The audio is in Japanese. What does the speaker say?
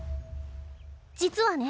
実はね。